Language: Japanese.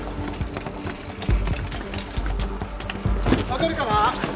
分かるかな？